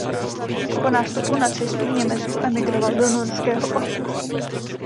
Po nástupu nacistů v Německu emigroval do norského Osla.